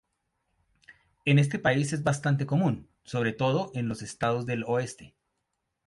En este país es bastante común, sobre todo en los estados del oeste.